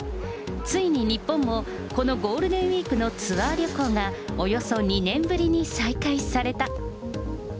ついに日本も、このゴールデンウィークのツアー旅行がおよそ２年ぶりに再開された。